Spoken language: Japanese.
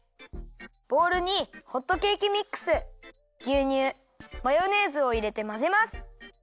ボウルにホットケーキミックスぎゅうにゅうマヨネーズをいれてまぜます！